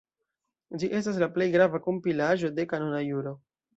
Ĝi estas la plej grava kompilaĵo de kanona juro.